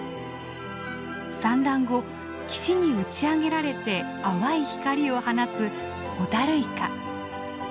産卵後岸に打ち上げられて淡い光を放つホタルイカ。